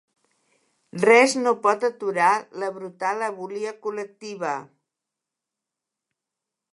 Res no pot aturar la brutal abúlia col·lectiva.